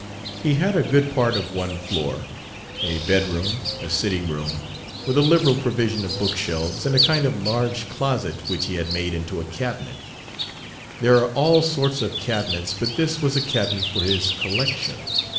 He had a good part of one floor: a bedroom, a sitting room, with a liberal provision of bookshelves, and a kind of large closet which he had made into a "cabinet." There are all sorts of cabinets, but this was a cabinet for his "collection."